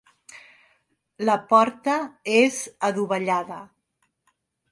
La porta és adovellada.